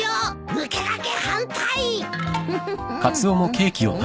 抜け駆け反対！